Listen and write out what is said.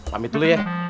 pamit dulu ya